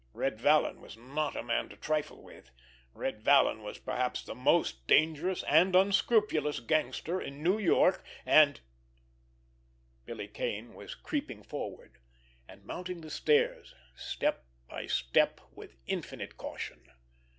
Red Vallon was not a man to trifle with; Red Vallon was perhaps the most dangerous and unscrupulous gangster in New York, and—— Billy Kane was creeping forward, and mounting the stairs step by step with infinite caution.